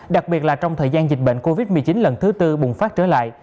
đặc biệt là trong thời gian dịch bệnh covid một mươi chín lần thứ tư bùng phát trở lại